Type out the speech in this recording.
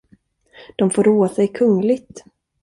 De får roa sig kungligt.